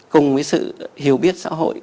cùng với sự hiểu biết xã hội